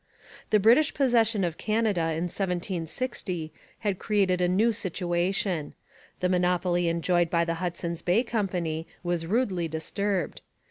The British possession of Canada in 1760 had created a new situation. The monopoly enjoyed by the Hudson's Bay Company was rudely disturbed.